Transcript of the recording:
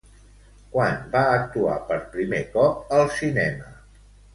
Quan va actuar per primer cop al cinema?